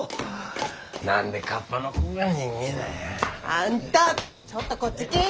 あんたちょっとこっち来ぃ！